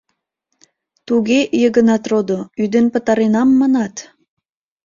Туге, Йыгынат родо, ӱден пытаренам, манат...